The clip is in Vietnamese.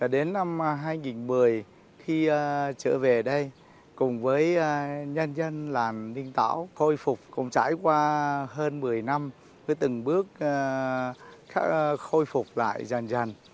đến năm hai nghìn một mươi khi trở về đây cùng với nhân dân làng ninh tảo khôi phục cũng trải qua hơn một mươi năm với từng bước khôi phục lại dần dần